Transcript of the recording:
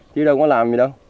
chứ đâu có làm gì đâu